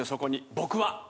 僕は。